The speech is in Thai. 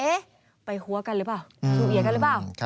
ไปหัวกันหรือเปล่าชูเอียกันหรือเปล่า